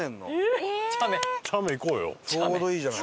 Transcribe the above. ちょうどいいじゃない。